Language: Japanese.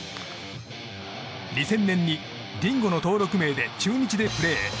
２０００年にディンゴの登録名で中日でプレー。